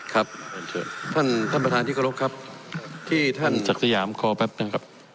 ครับเชิญท่านท่านประธานที่เคารพครับที่ท่านศักดิ์สยามขอแป๊บนะครับ